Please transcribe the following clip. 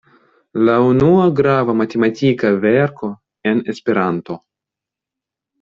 La unua grava matematika verko en Esperanto.